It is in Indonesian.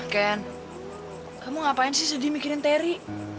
ken kamu ngapain sih sedih mikirin terry